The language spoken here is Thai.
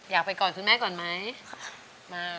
อยากไปกอดคุณแม่ก่อนไหม